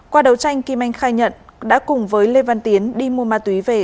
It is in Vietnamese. qua đấu tranh kim anh khai nhận đã cùng với lê văn tiến đi mua ma túy về